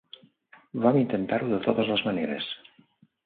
Vam intentar-ho de totes les maneres.